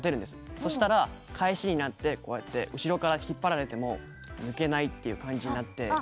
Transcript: そしたら、かえしになって後ろから引っ張られても抜けないという感じになって。